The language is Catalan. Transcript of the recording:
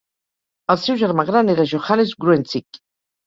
El seu germà gran era Johannes Gruentzig.